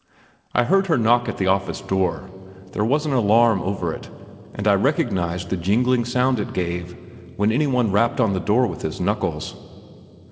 I heard her knock at the office door; there was an alarm over it, and I recognized the jingling sound it gave when any one rapped on the door with his knuckles.